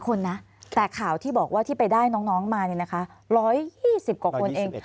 คนนะแต่ข่าวที่บอกว่าที่ไปได้น้องมาเนี่ยนะคะ๑๒๐กว่าคนเอง